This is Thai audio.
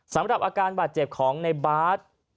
สำหรับอาการบาดเจ็บของในบาร์ด